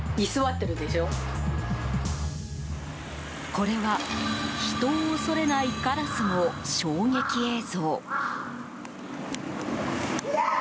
これは人を恐れないカラスの衝撃映像。